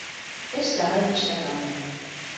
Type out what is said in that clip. Эш сәғәт биштә тамамлана.